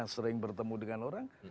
sering bertemu dengan orang